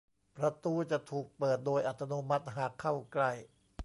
ประตูจะถูกเปิดโดยอัตโนมัติหากเข้าใกล้